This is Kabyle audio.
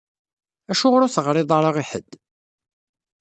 Acuɣeṛ ur teɣṛiḍ ara i ḥedd?